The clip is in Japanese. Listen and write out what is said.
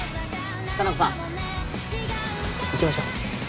沙名子さん行きましょ。